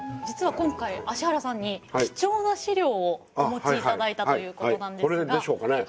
実は今回芦原さんに貴重な資料をお持ち頂いたということなんですが。